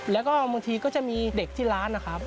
แล้วก็บางทีก็จะมีเด็กที่ร้านนะครับ